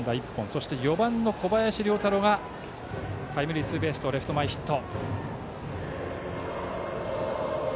そして４番の小林遼太郎がタイムリーツーベースとレフト前ヒット。